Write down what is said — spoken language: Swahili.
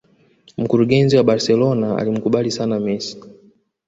Mkurugenzi wa Barcelona alimkubali sana Messi